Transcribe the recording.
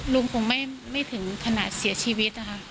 ลุงคงไม่ถึงขนาดเสียชีวิตค่ะ